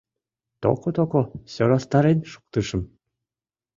«Токо-токо сӧрастарен шуктышым.